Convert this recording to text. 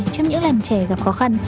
trong những lần trẻ gặp khó khăn